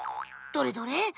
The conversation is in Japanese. どれどれ？